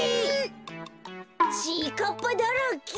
ちぃかっぱだらけ。